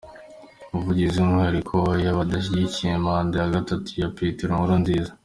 Umuvugizi w’Ihuriro ry’abadashyigikiye manda ya gatatu ya Petero Nkurunziza, .